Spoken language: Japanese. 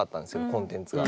コンテンツが。